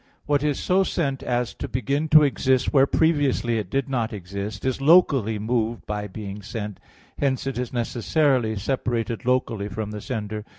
2: What is so sent as to begin to exist where previously it did not exist, is locally moved by being sent; hence it is necessarily separated locally from the sender.